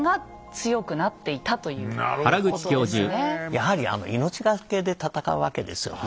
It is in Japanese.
やはり命懸けで戦うわけですよね。